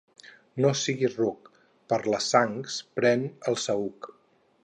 No siguis ruc: per les sangs pren el saüc.